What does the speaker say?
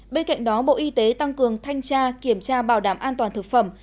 bên cạnh đó bộ y tế tăng cường thanh tra kiểm tra bảo đảm an toàn thực phẩm